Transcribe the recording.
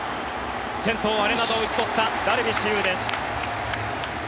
先頭、アレナドを打ち取ったダルビッシュ有です。